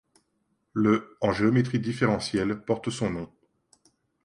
Le en géométrie différentielle porte son nom.